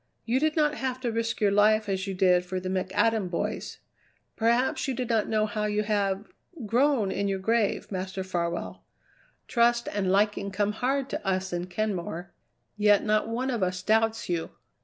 "You did not have to risk your life as you did for the McAdam boys. Perhaps you do not know how you have grown in your grave, Master Farwell. Trust and liking come hard to us in Kenmore, yet not one of us doubts you.